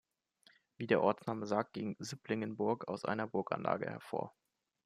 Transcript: Wie der Ortsname sagt, ging Süpplingenburg aus einer Burganlage hervor.